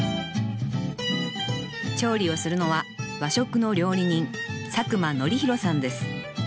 調理をするのは和食の料理人佐久間徳広さんです